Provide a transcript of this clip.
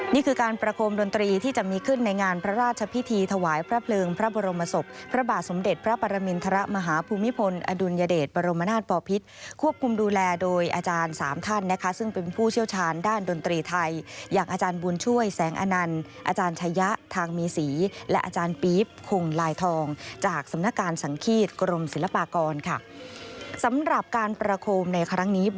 นี่คือการประโคมดนตรีที่จะมีขึ้นในงานพระราชพิธีถวายพระเพลิงพระบรมศพพระบาทสมเด็จพระปรมินทรมาฮาภูมิพลอดุลยเดชปรมนาศปอพิศควบคุมดูแลโดยอาจารย์สามท่านนะคะซึ่งเป็นผู้เชี่ยวชาญด้านดนตรีไทยอย่างอาจารย์บุญช่วยแสงอนันต์อาจารย์ชายะทางมีสีและอาจารย์ปี๊บคงลายทองจากสำนัก